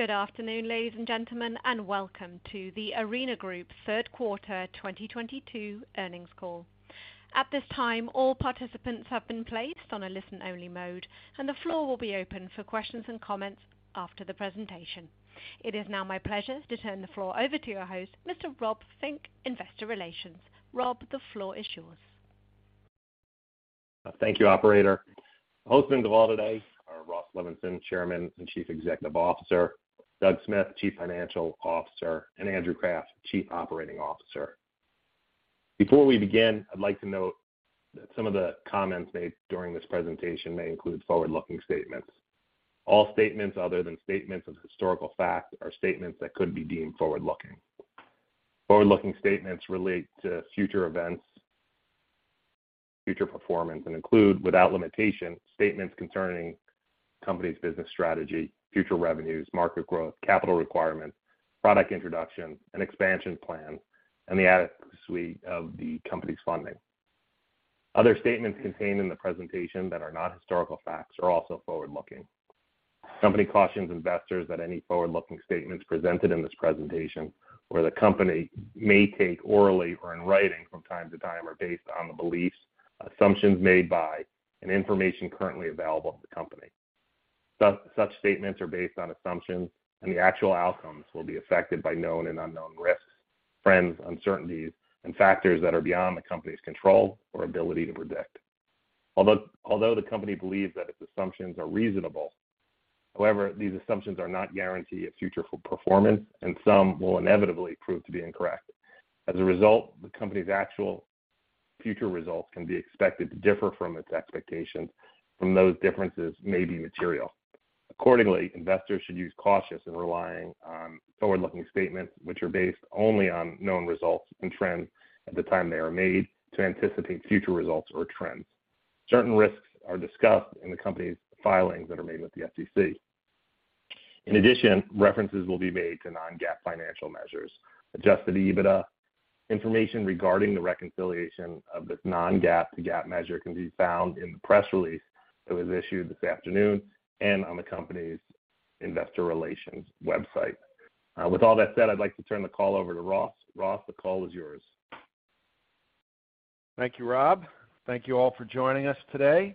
Good afternoon, ladies and gentlemen, and welcome to The Arena Group third quarter 2022 earnings call. At this time, all participants have been placed on a listen-only mode, and the floor will be open for questions and comments after the presentation. It is now my pleasure to turn the floor over to your host, Mr. Rob Fink, Investor Relations. Rob, the floor is yours. Thank you, Operator. Hosting the call today are Ross Levinsohn, Chairman and Chief Executive Officer, Doug Smith, Chief Financial Officer, and Andrew Kraft, Chief Operating Officer. Before we begin, I'd like to note that some of the comments made during this presentation may include forward-looking statements. All statements other than statements of historical fact are statements that could be deemed forward-looking. Forward-looking statements relate to future events, future performance, and include, without limitation, statements concerning the company's business strategy, future revenues, market growth, capital requirements, product introduction and expansion plans, and the adequacy of the company's funding. Other statements contained in the presentation that are not historical facts are also forward-looking. The company cautions investors that any forward-looking statements presented in this presentation or the company may take orally or in writing from time to time are based on the beliefs, assumptions made by and information currently available to the company. Such statements are based on assumptions and the actual outcomes will be affected by known and unknown risks, trends, uncertainties and factors that are beyond the company's control or ability to predict. Although the company believes that its assumptions are reasonable, however, these assumptions are not guarantees of future performance and some will inevitably prove to be incorrect. As a result, the company's actual future results can be expected to differ from its expectations. Those differences may be material. Accordingly, investors should use caution in relying on forward-looking statements which are based only on known results and trends at the time they are made to anticipate future results or trends. Certain risks are discussed in the company's filings that are made with the SEC. In addition, references will be made to non-GAAP financial measures, adjusted EBITDA. Information regarding the reconciliation of this non-GAAP to GAAP measure can be found in the press release that was issued this afternoon and on the company's investor relations website. With all that said, I'd like to turn the call over to Ross. Ross, the call is yours. Thank you, Rob. Thank you all for joining us today.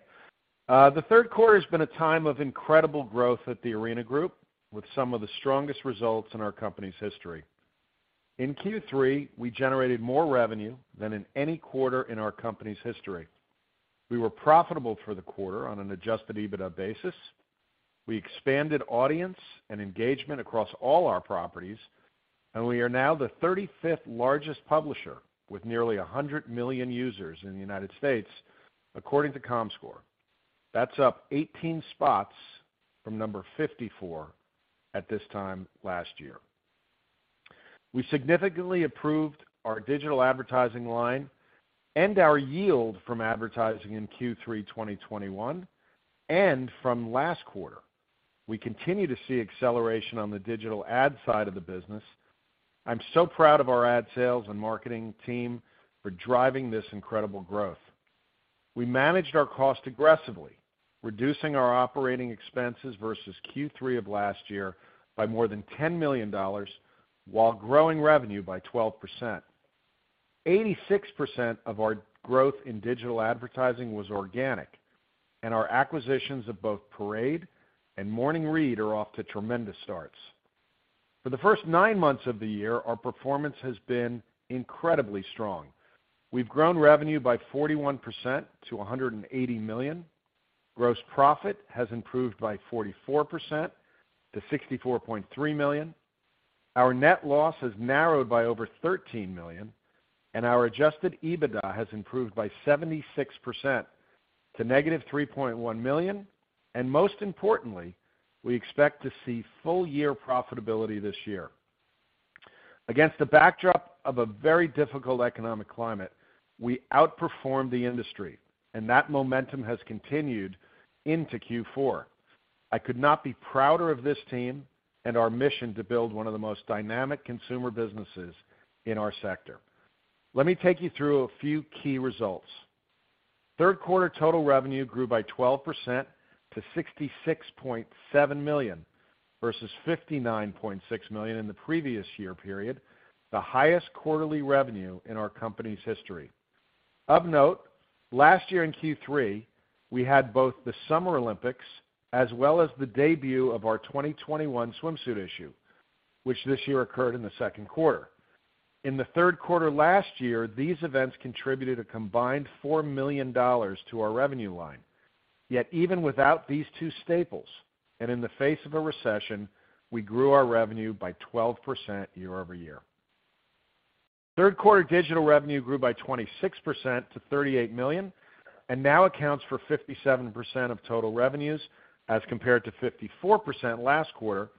The third quarter has been a time of incredible growth at The Arena Group, with some of the strongest results in our company's history. In Q3, we generated more revenue than in any quarter in our company's history. We were profitable for the quarter on an adjusted EBITDA basis. We expanded audience and engagement across all our properties, and we are now the 35th largest publisher with nearly 100 million users in the United States, according to Comscore. That's up 18 spots from number 54 at this time last year. We significantly improved our digital advertising line and our yield from advertising in Q3 2021 and from last quarter. We continue to see acceleration on the digital ad side of the business. I'm so proud of our ad sales and marketing team for driving this incredible growth. We managed our cost aggressively, reducing our operating expenses versus Q3 of last year by more than $10 million while growing revenue by 12%. 86% of our growth in digital advertising was organic, and our acquisitions of both Parade and Morning Read are off to tremendous starts. For the first nine months of the year, our performance has been incredibly strong. We've grown revenue by 41% to $180 million. Gross profit has improved by 44% to $64.3 million. Our net loss has narrowed by over $13 million, and our adjusted EBITDA has improved by 76% to negative $3.1 million. Most importantly, we expect to see full year profitability this year. Against the backdrop of a very difficult economic climate, we outperformed the industry and that momentum has continued into Q4. I could not be prouder of this team and our mission to build one of the most dynamic consumer businesses in our sector. Let me take you through a few key results. Third quarter total revenue grew by 12% to $66.7 million, versus $59.6 million in the previous year period, the highest quarterly revenue in our company's history. Of note, last year in Q3, we had both the Summer Olympics as well as the debut of our 2021 swimsuit issue, which this year occurred in the second quarter. In the third quarter last year, these events contributed a combined $4 million to our revenue line. Yet even without these two staples, and in the face of a recession, we grew our revenue by 12% year-over-year. Third quarter digital revenue grew by 26% to $38 million and now accounts for 57% of total revenues, as compared to 54% last quarter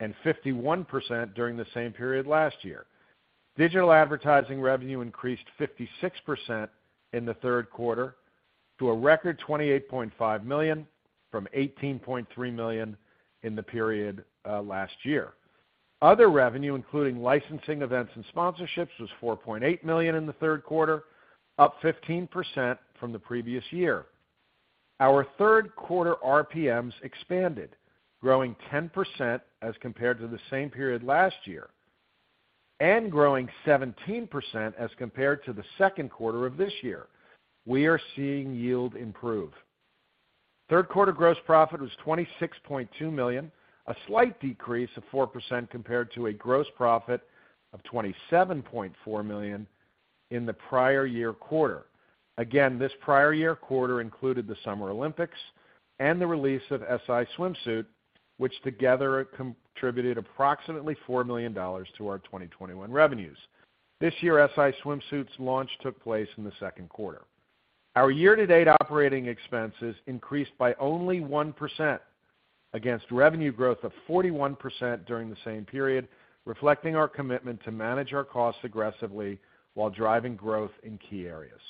and 51% during the same period last year. Digital advertising revenue increased 56% in the third quarter to a record $28.5 million from $18.3 million in the period last year. Other revenue, including licensing events and sponsorships, was $4.8 million in the third quarter, up 15% from the previous year. Our third quarter RPMs expanded, growing 10% as compared to the same period last year, and growing 17% as compared to the second quarter of this year. We are seeing yield improve. Third quarter gross profit was $26.2 million, a slight decrease of 4% compared to a gross profit of $27.4 million in the prior year quarter. Again, this prior year quarter included the Summer Olympics and the release of SI Swimsuit, which together contributed approximately $4 million to our 2021 revenues. This year, SI Swimsuit's launch took place in the second quarter. Our year-to-date operating expenses increased by only 1% against revenue growth of 41% during the same period, reflecting our commitment to manage our costs aggressively while driving growth in key areas.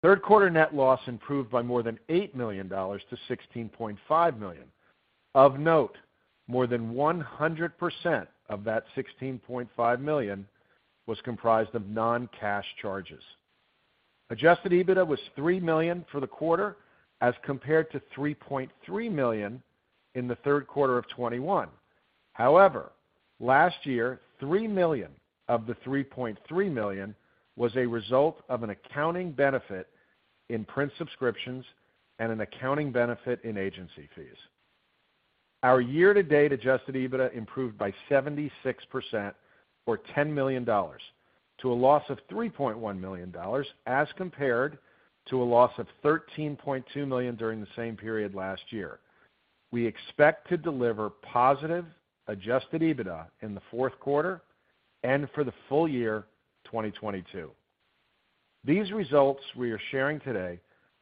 Third quarter net loss improved by more than $8 million to $16.5 million. Of note, more than 100% of that $16.5 million was comprised of non-cash charges. Adjusted EBITDA was $3 million for the quarter, as compared to $3.3 million in the third quarter of 2021. However, last year, $3 million of the $3.3 million was a result of an accounting benefit in print subscriptions and an accounting benefit in agency fees. Our year-to-date adjusted EBITDA improved by 76%, or $10 million, to a loss of $3.1 million, as compared to a loss of $13.2 million during the same period last year. We expect to deliver positive adjusted EBITDA in the fourth quarter and for the full year 2022. These results we are sharing today,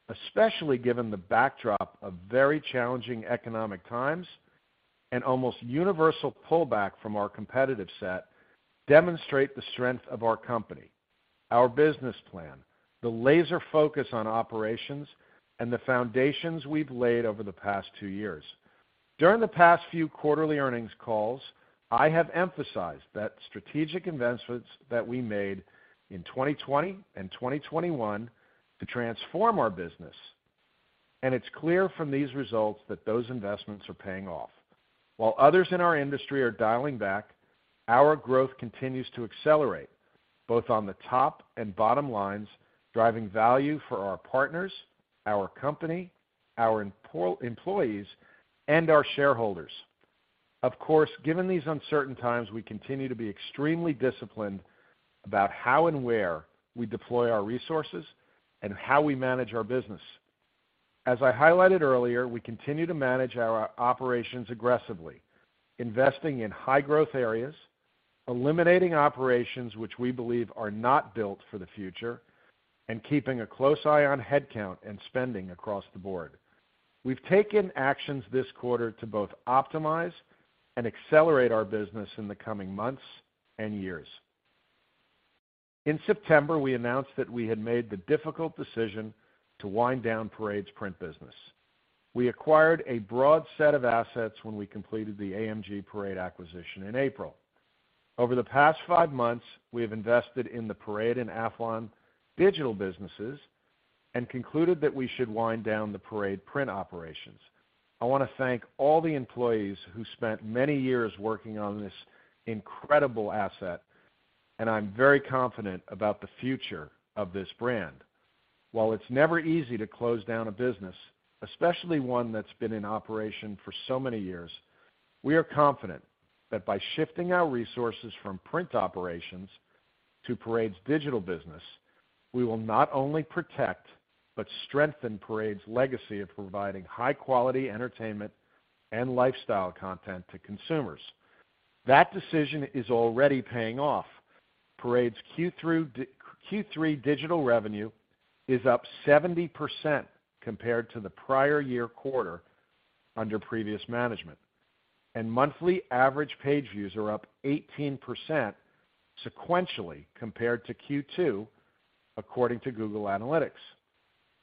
especially given the backdrop of very challenging economic times and almost universal pullback from our competitive set, demonstrate the strength of our company, our business plan, the laser focus on operations, and the foundations we've laid over the past two years. During the past few quarterly earnings calls, I have emphasized that strategic investments that we made in 2020 and 2021 to transform our business. It's clear from these results that those investments are paying off. While others in our industry are dialing back, our growth continues to accelerate, both on the top and bottom lines, driving value for our partners, our company, our important employees, and our shareholders. Of course, given these uncertain times, we continue to be extremely disciplined about how and where we deploy our resources and how we manage our business. As I highlighted earlier, we continue to manage our operations aggressively, investing in high growth areas, eliminating operations which we believe are not built for the future, and keeping a close eye on headcount and spending across the board. We've taken actions this quarter to both optimize and accelerate our business in the coming months and years. In September, we announced that we had made the difficult decision to wind down Parade's print business. We acquired a broad set of assets when we completed the AMG/Parade acquisition in April. Over the past five months, we have invested in the Parade and Athlon digital businesses and concluded that we should wind down the Parade print operations. I want to thank all the employees who spent many years working on this incredible asset, and I'm very confident about the future of this brand. While it's never easy to close down a business, especially one that's been in operation for so many years, we are confident that by shifting our resources from print operations to Parade's digital business, we will not only protect but strengthen Parade's legacy of providing high-quality entertainment and lifestyle content to consumers. That decision is already paying off. Parade's Q3 digital revenue is up 70% compared to the prior year quarter under previous management, and monthly average page views are up 18% sequentially compared to Q2, according to Google Analytics.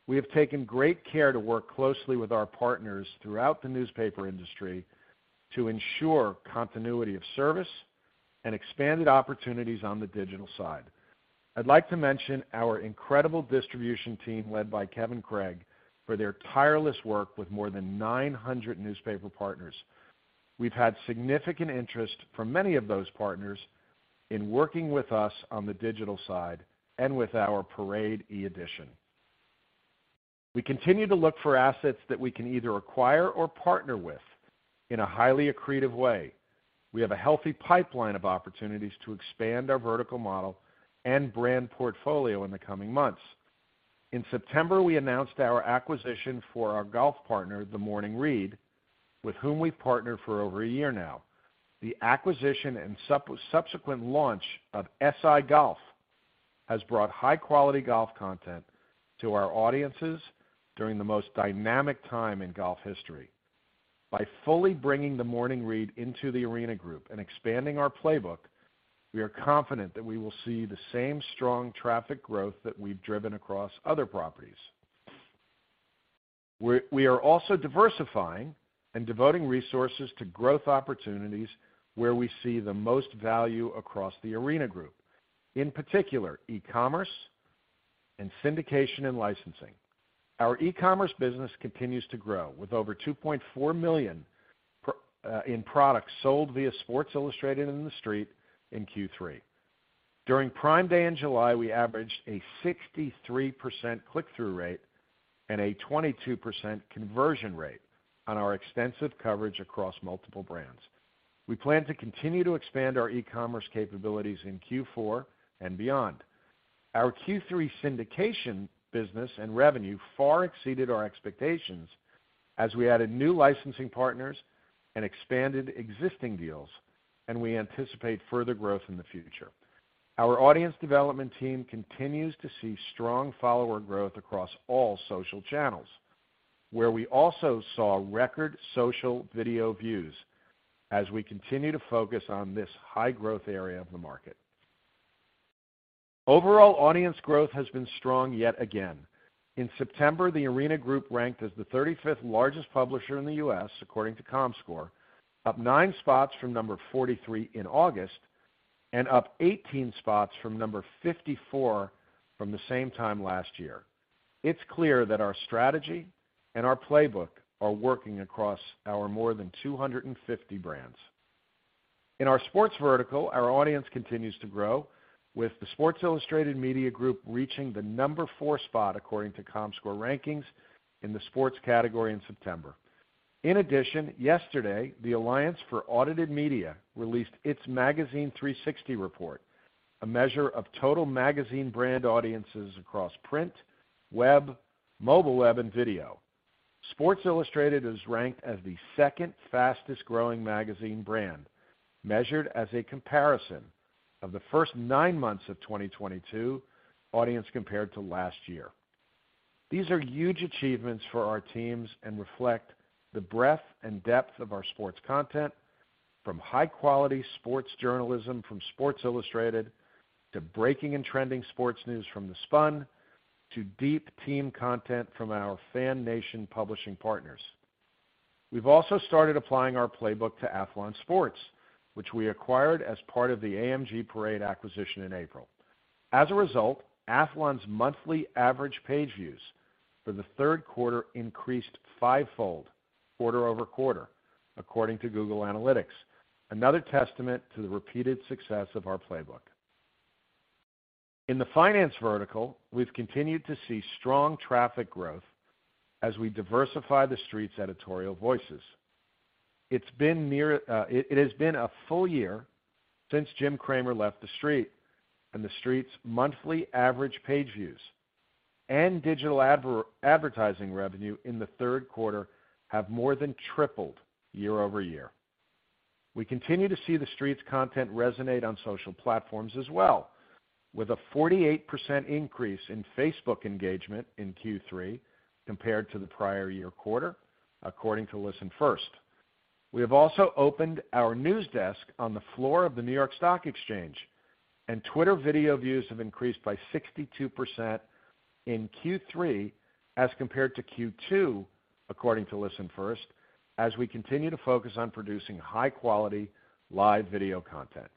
We have taken great care to work closely with our partners throughout the newspaper industry to ensure continuity of service and expanded opportunities on the digital side. I'd like to mention our incredible distribution team, led by Kevin Gregg, for their tireless work with more than 900 newspaper partners. We've had significant interest from many of those partners in working with us on the digital side and with our Parade e-edition. We continue to look for assets that we can either acquire or partner with in a highly accretive way. We have a healthy pipeline of opportunities to expand our vertical model and brand portfolio in the coming months. In September, we announced our acquisition for our golf partner, Morning Read, with whom we've partnered for over a year now. The acquisition and subsequent launch of SI Golf has brought high-quality golf content to our audiences during the most dynamic time in golf history. By fully bringing Morning Read into The Arena Group and expanding our playbook, we are confident that we will see the same strong traffic growth that we've driven across other properties. We are also diversifying and devoting resources to growth opportunities where we see the most value across The Arena Group, in particular e-commerce and syndication and licensing. Our e-commerce business continues to grow with over 2.4 million products sold via Sports Illustrated and TheStreet in Q3. During Prime Day in July, we averaged a 63% click-through rate and a 22% conversion rate on our extensive coverage across multiple brands. We plan to continue to expand our e-commerce capabilities in Q4 and beyond. Our Q3 syndication business and revenue far exceeded our expectations as we added new licensing partners and expanded existing deals, and we anticipate further growth in the future. Our audience development team continues to see strong follower growth across all social channels, where we also saw record social video views as we continue to focus on this high growth area of the market. Overall, audience growth has been strong yet again. In September, The Arena Group ranked as the 35th largest publisher in the U.S. according to Comscore, up nine spots from number 43 in August and up 18 spots from number 54 from the same time last year. It's clear that our strategy and our playbook are working across our more than 250 brands. In our sports vertical, our audience continues to grow, with the Sports Illustrated Media Group reaching the number four spot, according to Comscore rankings in the sports category in September. In addition, yesterday, the Alliance for Audited Media released its Magazine 360 report, a measure of total magazine brand audiences across print, web, mobile web, and video. Sports Illustrated is ranked as the second fastest-growing magazine brand, measured as a comparison of the first nine months of 2022 audience compared to last year. These are huge achievements for our teams and reflect the breadth and depth of our sports content, from high-quality sports journalism from Sports Illustrated, to breaking and trending sports news from The Spun, to deep team content from our FanNation publishing partners. We've also started applying our playbook to Athlon Sports, which we acquired as part of the AMG/Parade acquisition in April. As a result, Athlon's monthly average page views for the third quarter increased five-fold quarter-over-quarter, according to Google Analytics, another testament to the repeated success of our playbook. In the finance vertical, we've continued to see strong traffic growth as we diversify TheStreet's editorial voices. It's been a full year since Jim Cramer left TheStreet, and TheStreet's monthly average page views and digital advertising revenue in the third quarter have more than tripled year-over-year. We continue to see TheStreet's content resonate on social platforms as well, with a 48% increase in Facebook engagement in Q3 compared to the prior year quarter, according to ListenFirst. We have also opened our news desk on the floor of the New York Stock Exchange, and Twitter video views have increased by 62% in Q3 as compared to Q2, according to ListenFirst, as we continue to focus on producing high-quality live video content.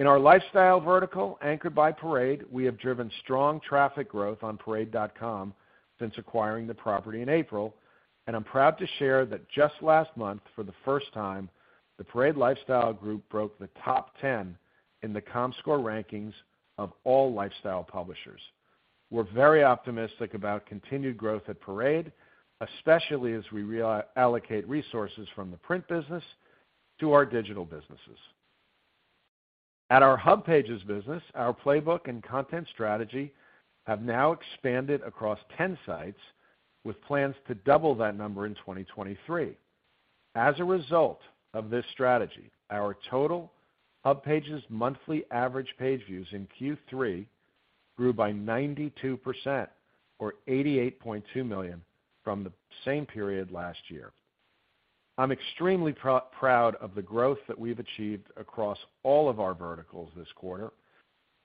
In our lifestyle vertical, anchored by Parade, we have driven strong traffic growth on Parade.com since acquiring the property in April, and I'm proud to share that just last month, for the first time, the Parade Lifestyle Group broke the top ten in the Comscore rankings of all lifestyle publishers. We're very optimistic about continued growth at Parade, especially as we reallocate resources from the print business to our digital businesses. At our HubPages business, our playbook and content strategy have now expanded across 10 sites with plans to double that number in 2023. As a result of this strategy, our total HubPages monthly average page views in Q3 grew by 92% or 88.2 million from the same period last year. I'm extremely proud of the growth that we've achieved across all of our verticals this quarter.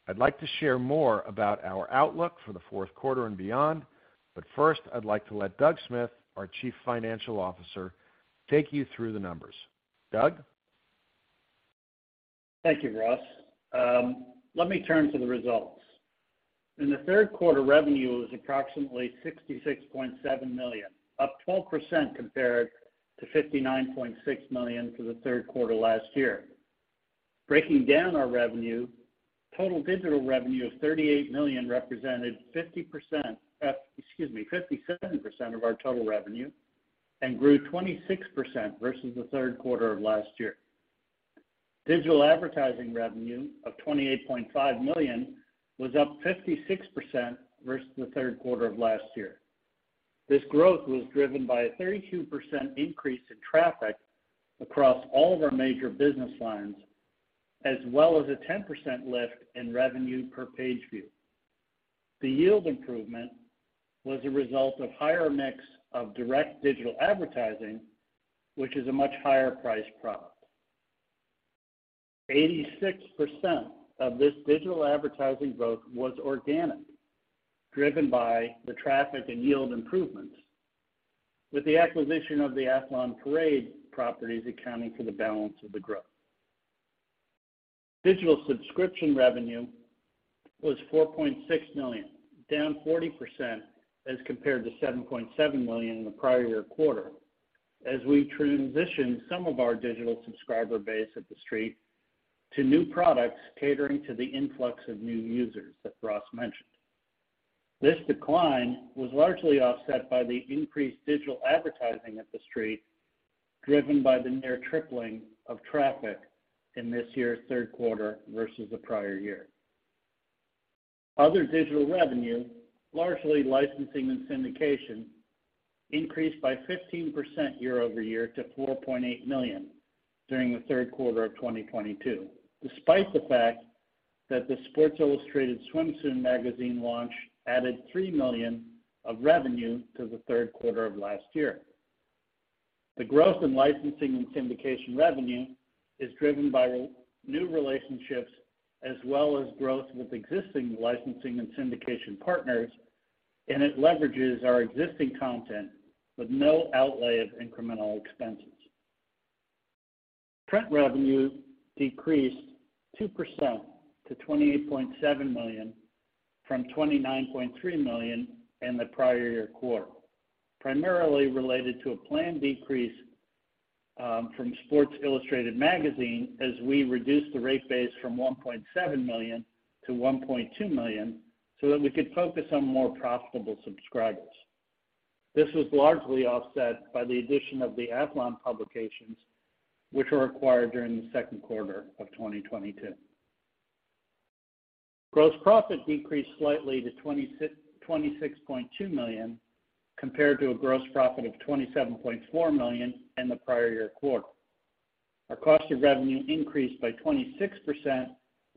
I'd like to share more about our outlook for the fourth quarter and beyond, but first, I'd like to let Doug Smith, our Chief Financial Officer, take you through the numbers. Doug? Thank you, Ross. Let me turn to the results. In the third quarter, revenue was approximately $66.7 million, up 12% compared to $59.6 million for the third quarter last year. Breaking down our revenue, total digital revenue of $38 million represented 57% of our total revenue and grew 26% versus the third quarter of last year. Digital advertising revenue of $28.5 million was up 56% versus the third quarter of last year. This growth was driven by a 32% increase in traffic across all of our major business lines, as well as a 10% lift in revenue per page view. The yield improvement was a result of higher mix of direct digital advertising, which is a much higher priced product. 86% of this digital advertising growth was organic, driven by the traffic and yield improvements, with the acquisition of the Athlon and Parade properties accounting for the balance of the growth. Digital subscription revenue was $4.6 million, down 40% as compared to $7.7 million in the prior year quarter as we transitioned some of our digital subscriber base at TheStreet to new products catering to the influx of new users that Ross mentioned. This decline was largely offset by the increased digital advertising at TheStreet, driven by the near tripling of traffic in this year's third quarter versus the prior year. Other digital revenue, largely licensing and syndication, increased by 15% year-over-year to $4.8 million during the third quarter of 2022, despite the fact that the Sports Illustrated Swimsuit Issue launch added $3 million of revenue to the third quarter of last year. The growth in licensing and syndication revenue is driven by renewed relationships as well as growth with existing licensing and syndication partners, and it leverages our existing content with no outlay of incremental expenses. Print revenue decreased 2% to $28.7 million from $29.3 million in the prior year quarter, primarily related to a planned decrease from Sports Illustrated magazine as we reduced the rate base from 1.7 million to 1.2 million so that we could focus on more profitable subscribers. This was largely offset by the addition of the Athlon publications which were acquired during the second quarter of 2022. Gross profit decreased slightly to $26.2 million compared to a gross profit of $27.4 million in the prior year quarter. Our cost of revenue increased by 26%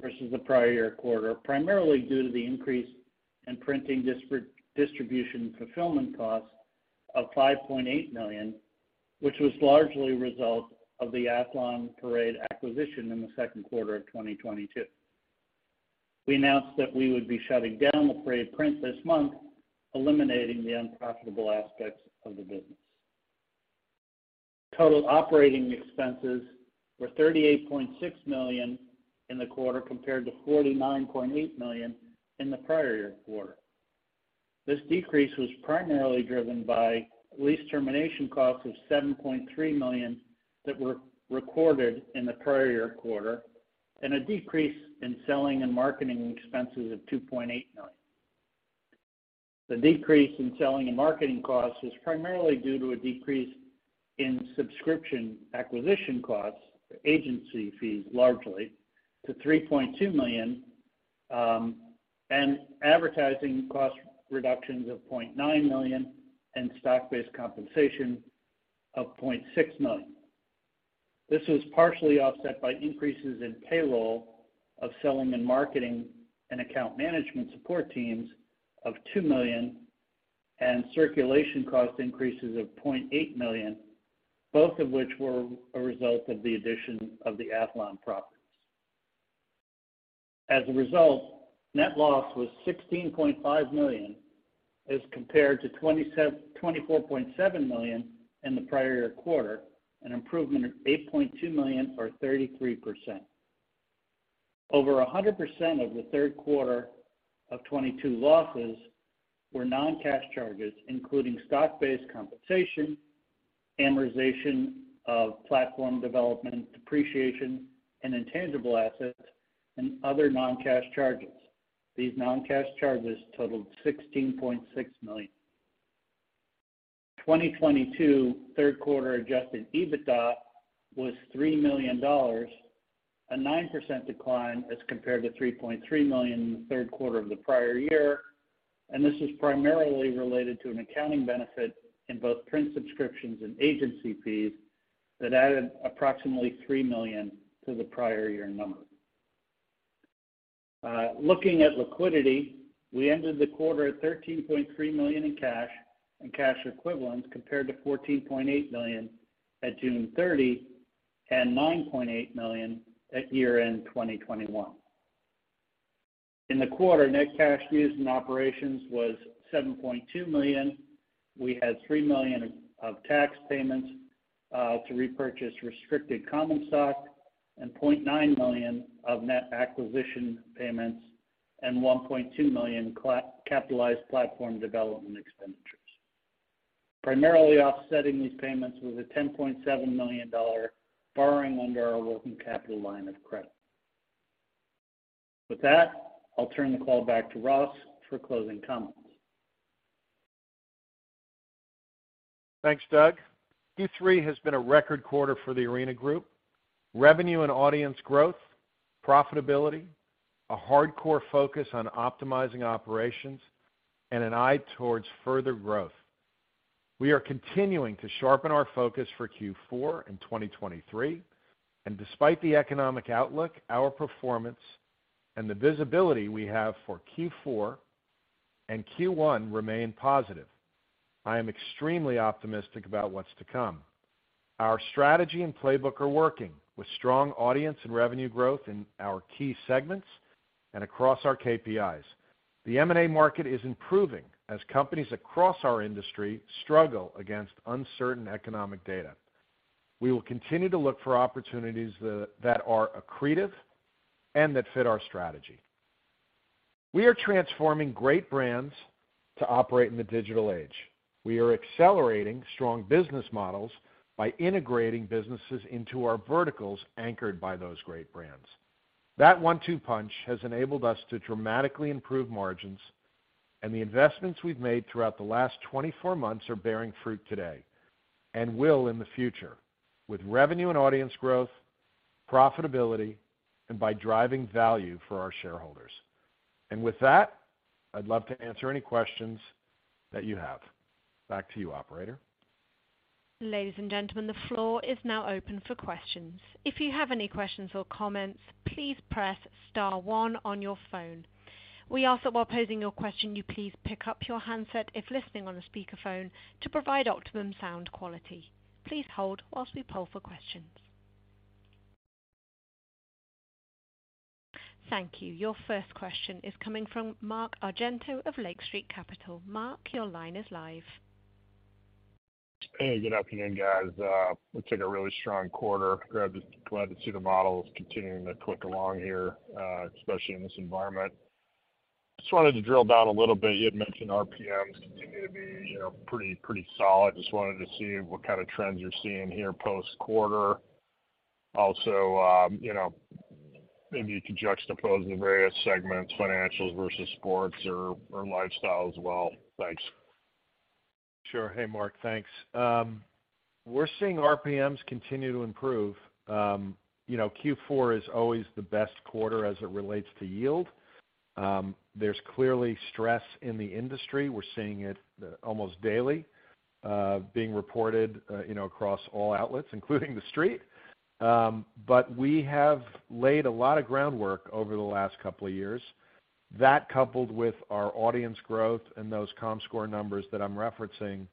versus the prior year quarter, primarily due to the increase in printing distribution and fulfillment costs of $5.8 million, which was largely a result of the Athlon Parade acquisition in the second quarter of 2022. We announced that we would be shutting down the Parade print this month, eliminating the unprofitable aspects of the business. Total operating expenses were $38.6 million in the quarter compared to $49.8 million in the prior year quarter. This decrease was primarily driven by lease termination costs of $7.3 million that were recorded in the prior year quarter and a decrease in selling and marketing expenses of $2.8 million. The decrease in selling and marketing costs is primarily due to a decrease in subscription acquisition costs, agency fees largely, to $3.2 million, and advertising cost reductions of $0.9 million and stock-based compensation of $0.6 million. This was partially offset by increases in payroll of selling and marketing and account management support teams of $2 million and circulation cost increases of $0.8 million, both of which were a result of the addition of the Athlon properties. As a result, net loss was $16.5 million as compared to $24.7 million in the prior year quarter, an improvement of $8.2 million or 33%. Over 100% of the third quarter of 2022 losses were non-cash charges, including stock-based compensation, amortization of platform development, depreciation and intangible assets and other non-cash charges. These non-cash charges totaled $16.6 million. 2022 third quarter adjusted EBITDA was $3 million, a 9% decline as compared to $3.3 million in the third quarter of the prior year, and this is primarily related to an accounting benefit in both print subscriptions and agency fees that added approximately $3 million to the prior year number. Looking at liquidity, we ended the quarter at $13.3 million in cash and cash equivalents compared to $14.8 million at June 30 and $9.8 million at year-end 2021. In the quarter, net cash used in operations was $7.2 million. We had $3 million of tax payments to repurchase restricted common stock and $0.9 million of net acquisition payments and $1.2 million capitalized platform development expenditures. Primarily offsetting these payments was a $10.7 million borrowing under our working capital line of credit. With that, I'll turn the call back to Ross for closing comments. Thanks, Doug. Q3 has been a record quarter for The Arena Group. Revenue and audience growth, profitability, a hardcore focus on optimizing operations and an eye towards further growth. We are continuing to sharpen our focus for Q4 in 2023 and despite the economic outlook, our performance and the visibility we have for Q4 and Q1 remained positive. I am extremely optimistic about what's to come. Our strategy and playbook are working with strong audience and revenue growth in our key segments and across our KPIs. The M&A market is improving as companies across our industry struggle against uncertain economic data. We will continue to look for opportunities that are accretive and that fit our strategy. We are transforming great brands to operate in the digital age. We are accelerating strong business models by integrating businesses into our verticals anchored by those great brands. That one-two punch has enabled us to dramatically improve margins, and the investments we've made throughout the last 24 months are bearing fruit today and will in the future, with revenue and audience growth, profitability, and by driving value for our shareholders. With that, I'd love to answer any questions that you have. Back to you, operator. Ladies and gentlemen, the floor is now open for questions. If you have any questions or comments, please press star one on your phone. We ask that while posing your question, you please pick up your handset if listening on a speakerphone to provide optimum sound quality. Please hold while we poll for questions. Thank you. Your first question is coming from Mark Argento of Lake Street Capital Markets. Mark, your line is live. Hey, good afternoon, guys. Looks like a really strong quarter. Glad to see the models continuing to click along here, especially in this environment. Just wanted to drill down a little bit. You had mentioned RPMs continue to be, you know, pretty solid. Just wanted to see what kind of trends you're seeing here post-quarter. Also, you know, maybe you could juxtapose the various segments, financials versus sports or lifestyle as well. Thanks. Sure. Hey, Mark, thanks. We're seeing RPMs continue to improve. You know, Q4 is always the best quarter as it relates to yield. There's clearly stress in the industry. We're seeing it almost daily, being reported, you know, across all outlets, including TheStreet. We have laid a lot of groundwork over the last couple of years. That coupled with our audience growth and those Comscore numbers that I'm referencing,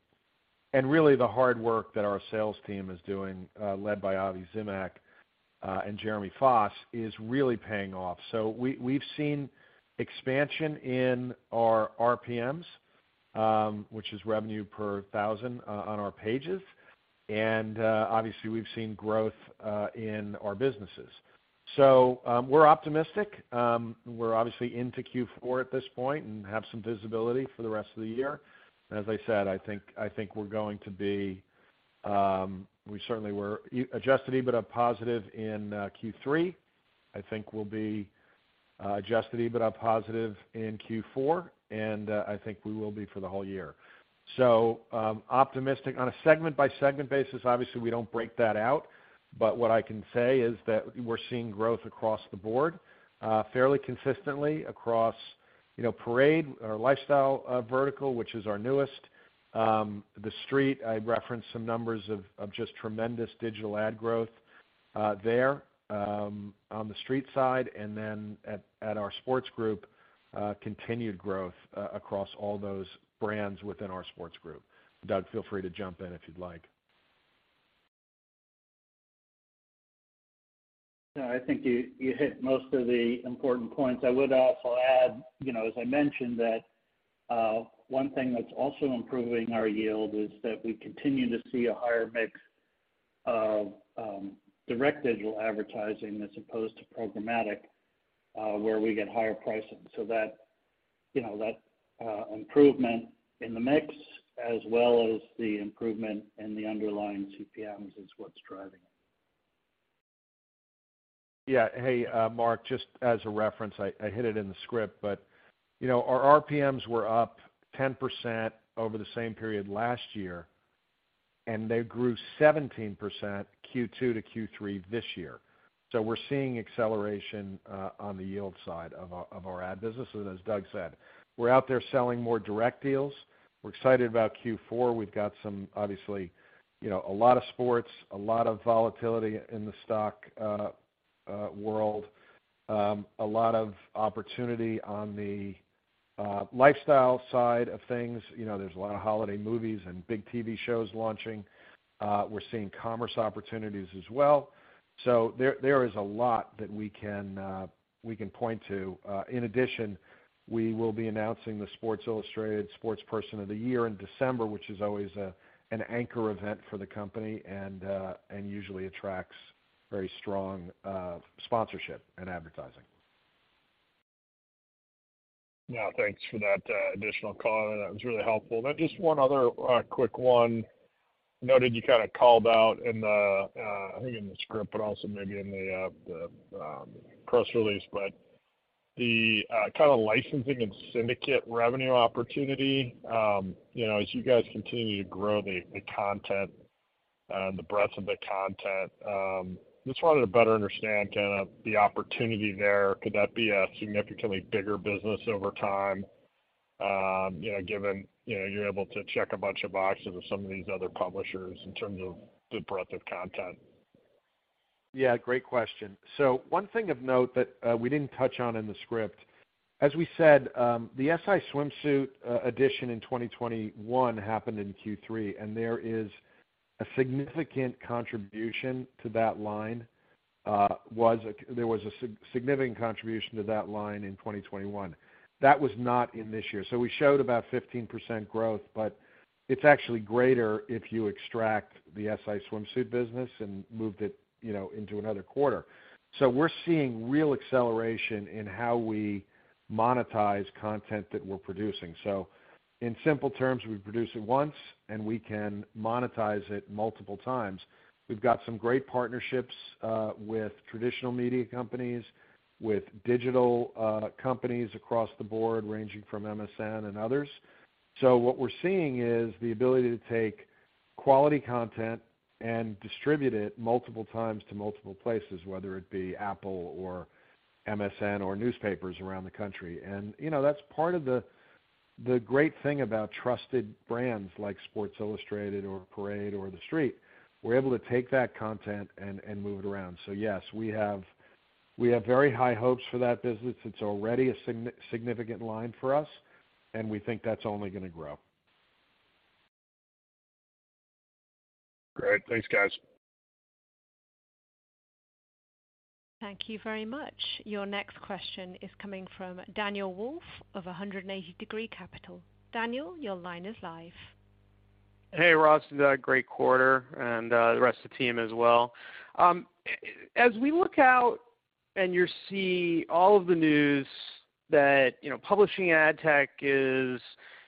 and really the hard work that our sales team is doing, led by Avi Zimak and Jeremy Foss, is really paying off. We've seen expansion in our RPMs, which is revenue per thousand, on our pages. Obviously, we've seen growth in our businesses. We're optimistic. We're obviously into Q4 at this point and have some visibility for the rest of the year. As I said, I think we certainly were adjusted EBITDA positive in Q3. I think we'll be adjusted EBITDA positive in Q4, and I think we will be for the whole year. Optimistic on a segment-by-segment basis, obviously, we don't break that out, but what I can say is that we're seeing growth across the board, fairly consistently across, you know, Parade, our lifestyle vertical, which is our newest, TheStreet. I referenced some numbers of just tremendous digital ad growth there, on TheStreet side, and then at our sports group, continued growth across all those brands within our sports group. Doug, feel free to jump in if you'd like. No, I think you hit most of the important points. I would also add, you know, as I mentioned, that one thing that's also improving our yield is that we continue to see a higher mix of direct digital advertising as opposed to programmatic, where we get higher pricing. That, you know, that improvement in the mix as well as the improvement in the underlying CPMs is what's driving it. Yeah. Hey, Mark, just as a reference, I hit it in the script, but you know, our RPMs were up 10% over the same period last year, and they grew 17% Q2 to Q3 this year. We're seeing acceleration on the yield side of our ad business. As Doug said, we're out there selling more direct deals. We're excited about Q4. We've got some, obviously, you know, a lot of sports, a lot of volatility in the stock world, a lot of opportunity on the lifestyle side of things. You know, there's a lot of holiday movies and big TV shows launching. We're seeing commerce opportunities as well. There is a lot that we can point to. In addition, we will be announcing the Sports Illustrated Sportsperson of the Year in December, which is always an anchor event for the company and usually attracts very strong sponsorship and advertising. Yeah, thanks for that additional color. That was really helpful. Just one other quick one. Noted you kinda called out in the, I think in the script, but also maybe in the press release, but the kinda licensing and syndicate revenue opportunity, you know, as you guys continue to grow the content, the breadth of the content, just wanted to better understand kinda the opportunity there. Could that be a significantly bigger business over time, you know, given, you know, you're able to check a bunch of boxes of some of these other publishers in terms of the breadth of content? Yeah, great question. One thing of note that we didn't touch on in the script, as we said, the SI Swimsuit edition in 2021 happened in Q3, and there is a significant contribution to that line. There was a significant contribution to that line in 2021. That was not in this year. We showed about 15% growth, but it's actually greater if you extract the SI Swimsuit business and moved it, you know, into another quarter. We're seeing real acceleration in how we monetize content that we're producing. In simple terms, we produce it once, and we can monetize it multiple times. We've got some great partnerships with traditional media companies, with digital companies across the board, ranging from MSN and others. What we're seeing is the ability to take quality content and distribute it multiple times to multiple places, whether it be Apple or MSN or newspapers around the country. You know, that's part of the great thing about trusted brands like Sports Illustrated or Parade or The Street. We're able to take that content and move it around. Yes, we have very high hopes for that business. It's already a significant line for us, and we think that's only gonna grow. Great. Thanks, guys. Thank you very much. Your next question is coming from Daniel Wolfe of 180 Degree Capital. Daniel, your line is live. Hey, Ross, great quarter, and the rest of the team as well. As we look out and you see all of the news that publishing ad tech is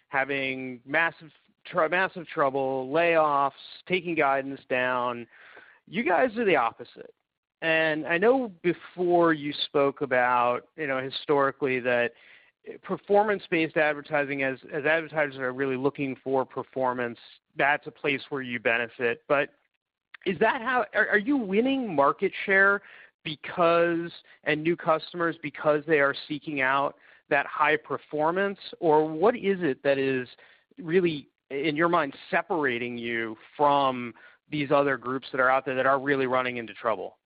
having massive trouble, layoffs, taking guidance down, you guys are the opposite. I know before you spoke about historically that performance-based advertising as advertisers are really looking for performance, that's a place where you benefit. Is that how? Are you winning market share and new customers because they are seeking out that high performance? Or what is it that is really, in your mind, separating you from these other groups that are out there that are really running into trouble?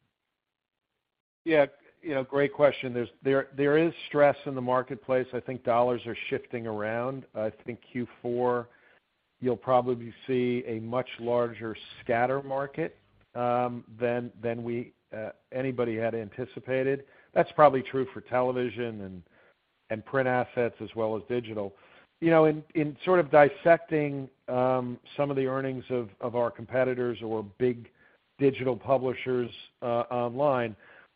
Yeah. You know, great question. There is stress in the marketplace. I think dollars are shifting around. I think Q4, you'll probably see a much larger scatter market than anybody had anticipated. That's probably true for television and print assets as well as digital. You know, in sort of dissecting some of the earnings of our competitors or big digital publishers online,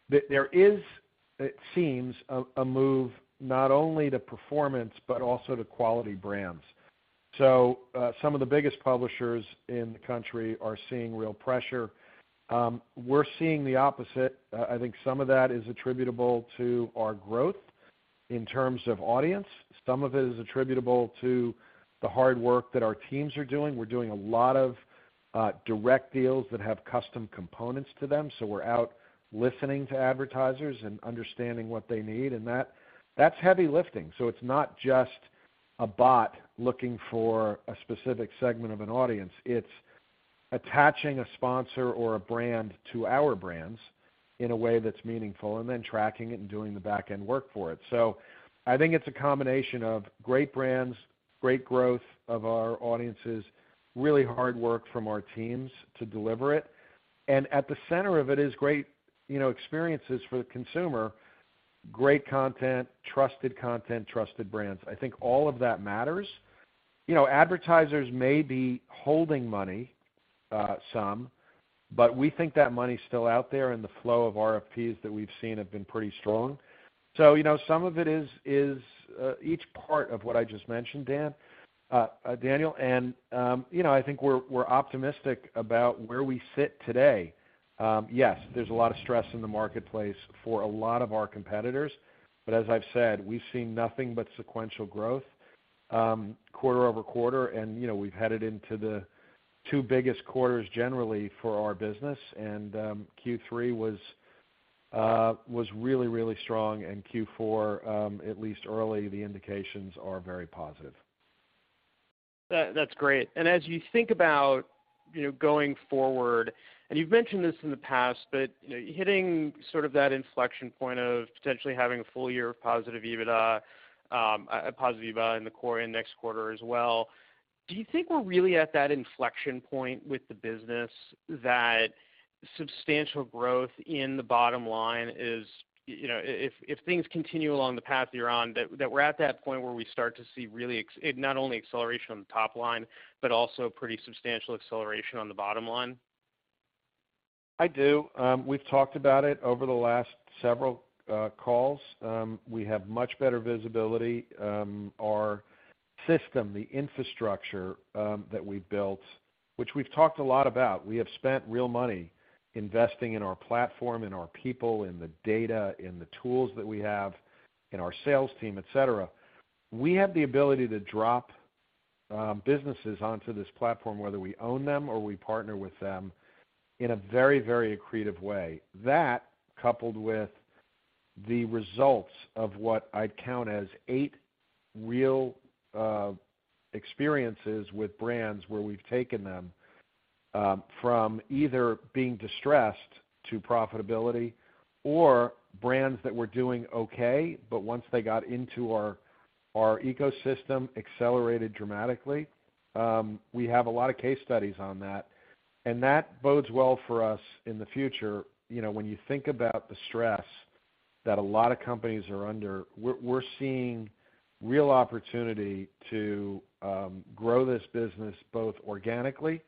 there is, it seems, a move not only to performance but also to quality brands. So, some of the biggest publishers in the country are seeing real pressure. We're seeing the opposite. I think some of that is attributable to our growth in terms of audience. Some of it is attributable to the hard work that our teams are doing. We're doing a lot of direct deals that have custom components to them, so we're out listening to advertisers and understanding what they need, and that's heavy lifting. It's not just a bot looking for a specific segment of an audience. It's attaching a sponsor or a brand to our brands in a way that's meaningful, and then tracking it and doing the back-end work for it. I think it's a combination of great brands, great growth of our audiences, really hard work from our teams to deliver it. At the center of it is great, you know, experiences for the consumer, great content, trusted content, trusted brands. I think all of that matters. You know, advertisers may be holding money some, but we think that money's still out there, and the flow of RFPs that we've seen have been pretty strong. You know, some of it is each part of what I just mentioned, Dan, Daniel. You know, I think we're optimistic about where we sit today. Yes, there's a lot of stress in the marketplace for a lot of our competitors, but as I've said, we've seen nothing but sequential growth, quarter-over-quarter. You know, we've headed into the two biggest quarters generally for our business. Q3 was really strong, and Q4, at least early, the indications are very positive. That's great. As you think about, you know, going forward, and you've mentioned this in the past, but, you know, hitting sort of that inflection point of potentially having a full year of positive EBITDA, a positive EBITDA in the core and next quarter as well, do you think we're really at that inflection point with the business that substantial growth in the bottom line is? You know, if things continue along the path you're on, that we're at that point where we start to see really not only acceleration on the top line, but also pretty substantial acceleration on the bottom line? I do. We've talked about it over the last several calls. We have much better visibility. Our system, the infrastructure, that we've built, which we've talked a lot about, we have spent real money investing in our platform, in our people, in the data, in the tools that we have, in our sales team, et cetera. We have the ability to drop businesses onto this platform, whether we own them or we partner with them in a very, very accretive way. That coupled with the results of what I'd count as eight real experiences with brands where we've taken them from either being distressed to profitability or brands that were doing okay, but once they got into our ecosystem accelerated dramatically. We have a lot of case studies on that, and that bodes well for us in the future. You know, when you think about the stress that a lot of companies are under, we're seeing real opportunity to grow this business both organically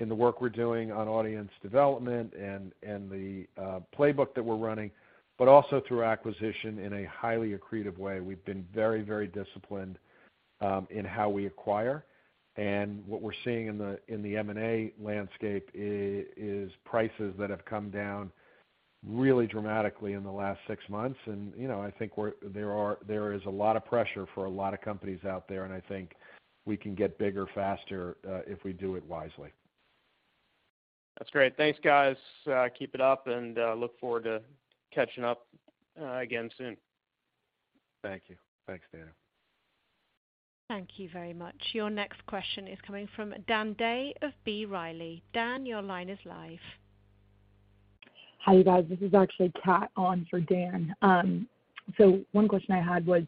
in the work we're doing on audience development and the playbook that we're running, but also through acquisition in a highly accretive way. We've been very disciplined in how we acquire. What we're seeing in the M&A landscape is prices that have come down really dramatically in the last six months. You know, I think there is a lot of pressure for a lot of companies out there, and I think we can get bigger, faster, if we do it wisely. That's great. Thanks, guys. Keep it up and look forward to catching up again soon. Thank you. Thanks, Dan. Thank you very much. Your next question is coming from Dan Day of B. Riley. Dan, your line is live. Hi, you guys. This is actually Kat on for Dan. One question I had was,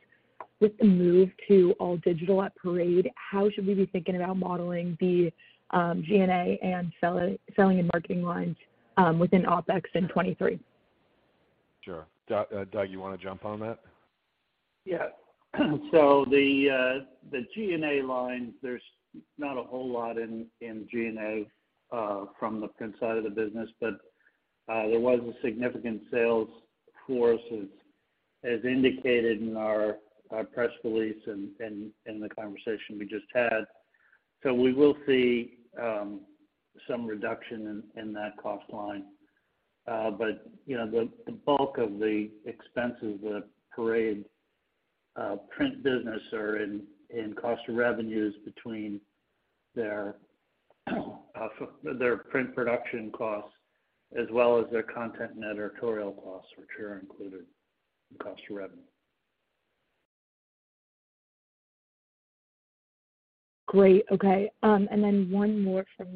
with the move to all digital at Parade, how should we be thinking about modeling the G&A and selling and marketing lines within OpEx in 2023? Sure. Doug, you wanna jump on that? Yeah. The G&A line, there's not a whole lot in G&A from the print side of the business. There was a significant sales force, as indicated in our press release and in the conversation we just had. We will see some reduction in that cost line. You know, the bulk of the expenses of the Parade print business are in cost of revenues between their print production costs as well as their content and editorial costs, which are included in cost of revenue. Great. Okay. One more from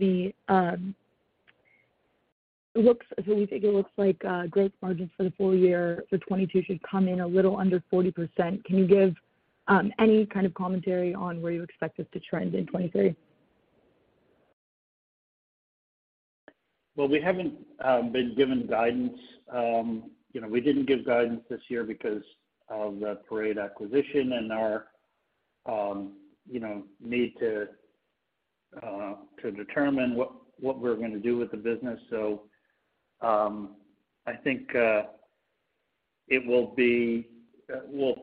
me. It looks like growth margins for the full year for 2022 should come in a little under 40%. Can you give any kind of commentary on where you expect this to trend in 2023? Well, we haven't been given guidance. You know, we didn't give guidance this year because of the Parade acquisition and our, you know, need to determine what we're gonna do with the business. I think we'll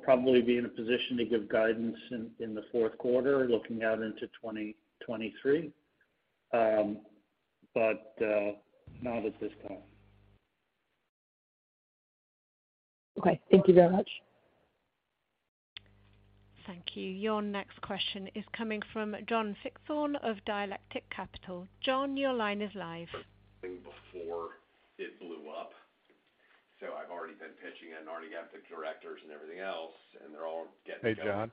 probably be in a position to give guidance in the fourth quarter looking out into 2023. Not at this time. Okay, thank you very much. Thank you. Your next question is coming from John Fichthorn of Dialectic Capital. John, your line is live. Before it blew up, I've already been pitching it and already got the directors and everything else, and they're all getting. Hey, John.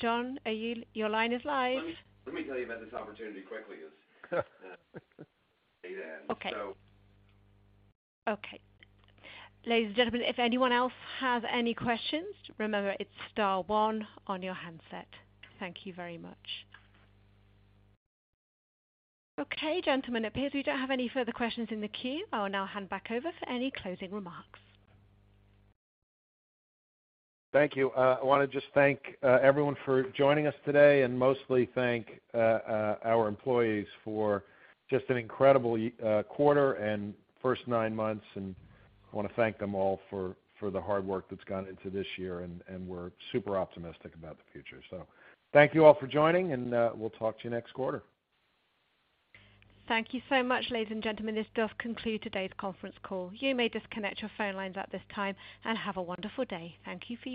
John, are you? Your line is live. Let me tell you about this opportunity quickly. Okay. Ladies and gentlemen, if anyone else has any questions, remember it's star one on your handset. Thank you very much. Gentlemen, it appears we don't have any further questions in the queue. I will now hand back over for any closing remarks. Thank you. I wanna just thank everyone for joining us today and mostly thank our employees for just an incredible quarter and first nine months. I wanna thank them all for the hard work that's gone into this year, and we're super optimistic about the future. Thank you all for joining, and we'll talk to you next quarter. Thank you so much, ladies and gentlemen. This does conclude today's conference call. You may disconnect your phone lines at this time and have a wonderful day. Thank you for your participation.